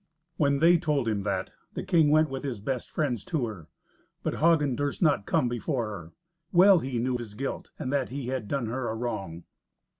When they told him that, the king went with his best friends to her. But Hagen durst not come before her. Well he knew his guilt, and that he had done her a wrong.